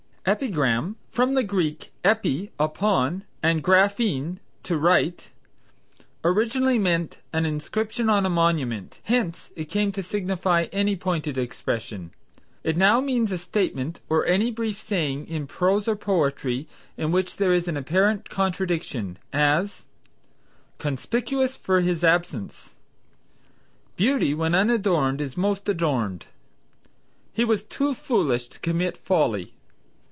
Epigram (from the Greek epi, upon, and graphein, to write), originally meant an inscription on a monument, hence it came to signify any pointed expression. It now means a statement or any brief saying in prose or poetry in which there is an apparent contradiction; as, "Conspicuous for his absence." "Beauty when unadorned is most adorned." "He was too foolish to commit folly."